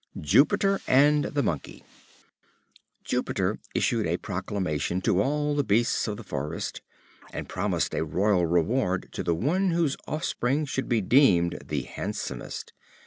Jupiter and the Monkey. Jupiter issued a proclamation to all the beasts of the forest, and promised a royal reward to the one whose offspring should be deemed the handsomest.